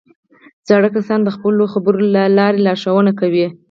زاړه کسان د خپلو خبرو له لارې لارښوونه کوي